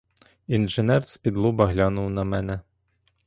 Інженер спідлоба глянув на мене.